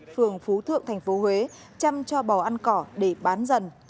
phường phú thượng tp huế chăm cho bò ăn cỏ để bán dần